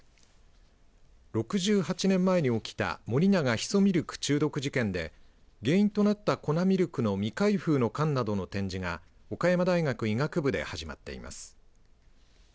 ６８年前に起きた森永ヒ素ミルク中毒事件で原因となった粉ミルクの未開封の缶などの展示が岡山大学医学部で始まっています。